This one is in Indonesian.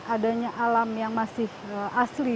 adanya alam yang masih asli